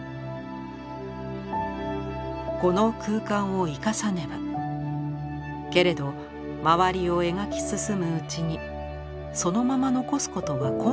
「この空間を生かさねばけれどまわりを描き進むうちにそのまま残すことは困難となりました。